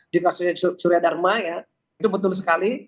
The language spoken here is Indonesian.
di kasusnya surya dharma ya itu betul sekali